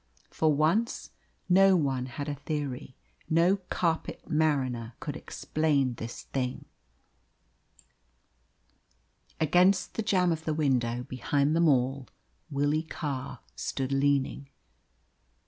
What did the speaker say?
For once no one had a theory: no carpet mariner could explain this thing. Against the jamb of the window, behind them all, Willie Carr stood leaning.